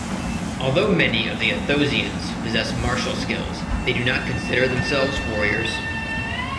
Although many of the Athosians possess martial skills, they do not consider themselves warriors.